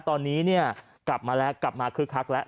ตอนนี้กลับมาแล้วกลับมาคึกคักแล้ว